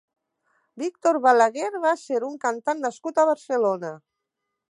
Víctor Balaguer va ser un сantant nascut a Barcelona.